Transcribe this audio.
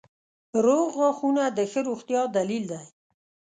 • روغ غاښونه د ښه روغتیا دلیل دی.